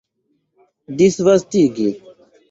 disvastigi